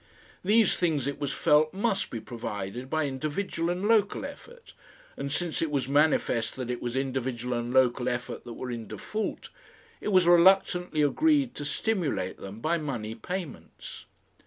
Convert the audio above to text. These things it was felt MUST be provided by individual and local effort, and since it was manifest that it was individual and local effort that were in default, it was reluctantly agreed to stimulate them by money payments.